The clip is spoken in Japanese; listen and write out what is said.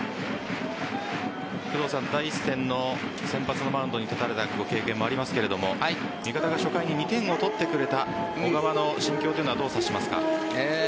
第１戦の先発のマウンドに立たれたご経験もありますが味方が初回に２点を取ってくれた小川の心境はどう察しますか？